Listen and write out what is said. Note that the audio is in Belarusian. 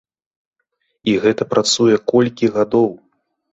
І гэта працуе колькі гадоў.